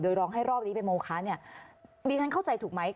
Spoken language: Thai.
ร้องให้รอบนี้เป็นโมคะเนี่ยดิฉันเข้าใจถูกไหม